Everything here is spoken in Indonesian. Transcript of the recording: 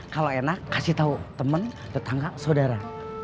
kalau enak kasih tau temen tetangga saudara